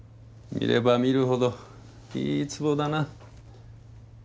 見れば見るほどいい壺だな。